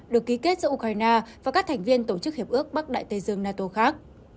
được ký kết giữa ukraine và các thành viên tổ chức hiệp ước bắc đại tây dương nato khác